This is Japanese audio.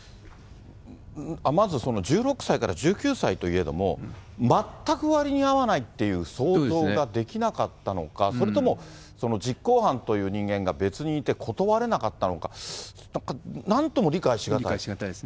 まずその１６歳から１９歳といえども、全く割に合わないっていう想像ができなかったのか、それとも実行犯という人間が別にいて、断れなかったのか、なんか、なんとも理解し難い。